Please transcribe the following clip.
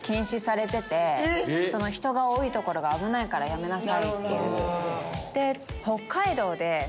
人が多い所が危ないからやめなさいって。